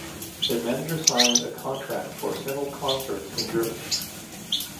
Their manager signed a contract for several concerts in Germany.